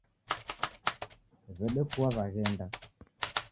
Wedekua waghenda